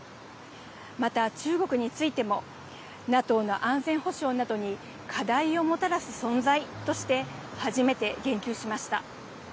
また、中国についても、ＮＡＴＯの安全保障などに課題をもたらす存在として、初めて言及しました。